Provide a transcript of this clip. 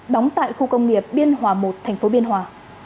đóng tại khu công nghiệp biên hòa một thành phố biên hòa